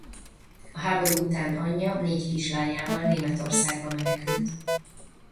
A háború után anyja négy kislányával Németországba menekült.